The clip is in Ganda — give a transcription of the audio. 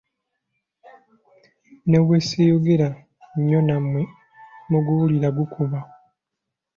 Ne bwe siyogera nnyo nammwe muguwulira gukuba.